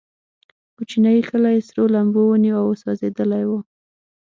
کوچنی کلی سرو لمبو ونیو او سوځېدلی و.